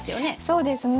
そうですね。